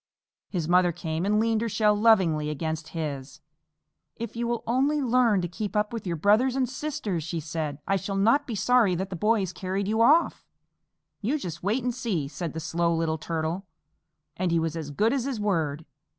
His mother came and leaned her shell lovingly against his. "If you will only learn to keep up with your brothers and sisters," she said "I shall not be sorry that the boys carried you off." "You just wait and see," said the Slow Little Turtle. And he was as good as his word.